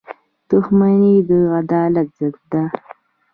• دښمني د عدالت ضد ده.